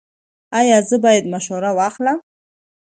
ایا زه باید مشوره واخلم؟